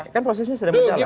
kan prosesnya sedang berjalan